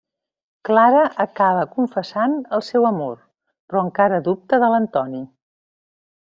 Clara acaba confessant el seu amor, però encar dubta del d'Antoni.